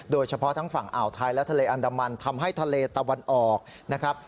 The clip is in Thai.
โดยเฉพาะทั้งฝั่งอ่าวไทยและทะเลอันดามันทำให้ทะเลตะวันออกนะครับ